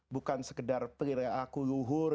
bukan sekedar peliru luhur